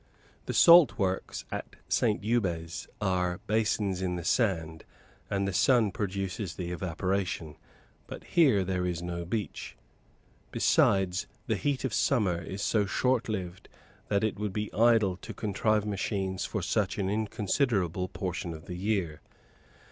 The salt works at St. Ubes are basins in the sand, and the sun produces the evaporation, but here there is no beach. Besides, the heat of summer is so short lived that it would be idle to contrive machines for such an inconsiderable portion of the year.